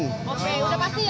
oke sudah pasti ya